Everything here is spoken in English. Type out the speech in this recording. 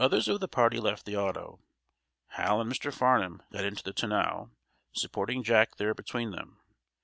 Others of the party left the auto. Hal and Mr. Farnum got into the tonneau, supporting Jack there between them.